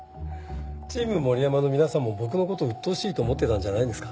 チーム森山の皆さんも僕の事うっとうしいと思ってたんじゃないんですか？